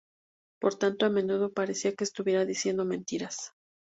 Por tanto a menudo parecía que estuviera diciendo mentiras.